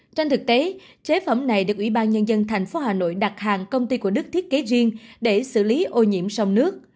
trên thực tế chế phẩm này được ủy ban nhân dân thành phố hà nội đặt hàng công ty của đức thiết kế riêng để xử lý ô nhiễm sông nước